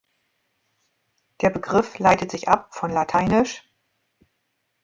Der Begriff leitet sich ab von lat.